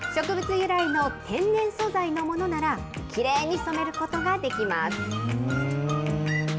由来の天然素材のものなら、きれいに染めることができます。